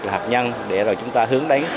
là hạt nhân để chúng ta hướng đánh